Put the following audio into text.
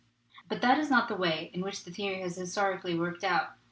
But that is not the way in which the theory has historically worked out.